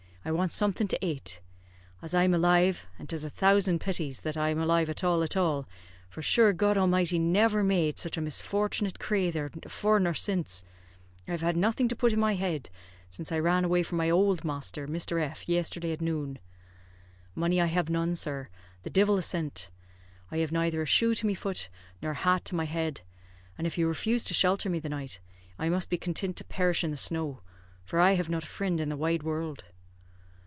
I want something to ate. As I'm alive, and 'tis a thousand pities that I'm alive at all at all, for shure God Almighty never made sich a misfortunate crather afore nor since; I have had nothing to put in my head since I ran away from my ould masther, Mr. F , yesterday at noon. Money I have none, sir; the divil a cent. I have neither a shoe to my foot nor a hat to my head, and if you refuse to shelter me the night, I must be contint to perish in the snow, for I have not a frind in the wide wurld."